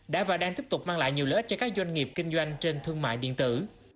đã và đang tiếp tục mang lại nhiều lợi ích cho các doanh nghiệp kinh doanh trên thương mại điện tử